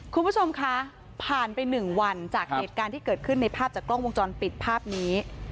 คุณผู้ชมคะผ่านไป๑วันจากเหตุการณ์ที่เกิดขึ้นในภาพจากกล้องวงจรปิดภาพนี้